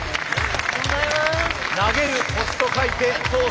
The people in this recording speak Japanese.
「投げる星」と書いて「投星」。